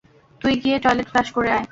তুই গিয়ে toilet flush করে আয়।